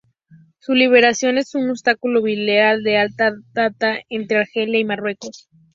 Su liberación eliminó un obstáculo bilateral de larga data entre Argelia y Marruecos.